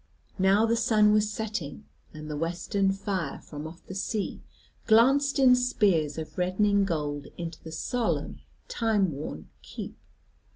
Now the sun was setting, and the western fire from off the sea glanced in spears of reddening gold into the solemn timeworn keep.